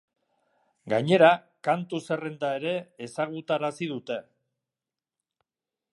Gainera, kantu-zerrenda ere ezgautarazi dute.